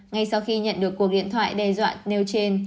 ngay sau khi nhận được cuộc điện thoại đe dọa nêu trên